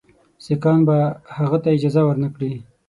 سیکهان به هغه ته اجازه ورنه کړي.